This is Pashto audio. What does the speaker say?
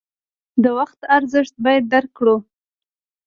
د وخت ارزښت باید درک کړو.